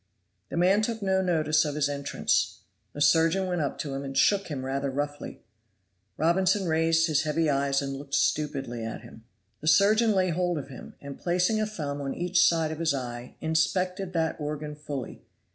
The man took no notice of his entrance. The surgeon went up to him and shook him rather roughly. Robinson raised his heavy eyes and looked stupidly at him. The surgeon laid hold of him, and placing a thumb on each side of his eye, inspected that organ fully.